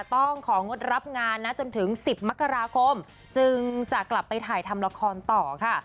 ของงดรับงานนะจนถึง๑๐มกราคมจึงจะกลับไปถ่ายทำละครต่อค่ะ